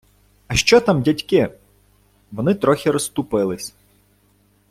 - А що там, дядьки? Вони трохи розступились.